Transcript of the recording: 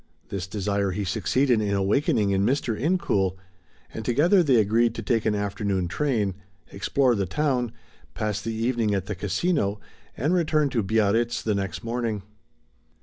This desire he succeeded in awakening in Mr. Incoul, and together they agreed to take an afternoon train, explore the town, pass the evening at the Casino and return to Biarritz the next morning.